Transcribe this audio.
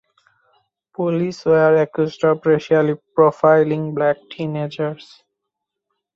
Police were accused of racially profiling black teenagers.